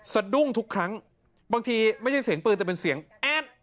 สะดุ้งทุกครั้งบางทีไม่ใช่เสียงปืนแต่เป็นเสียงแอด